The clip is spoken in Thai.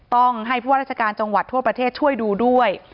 ต้องให้ผู้ว่าราชการจังหวัดทั่วประเทศช่วยดูด้วย